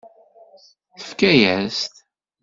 Tefka-yas-t.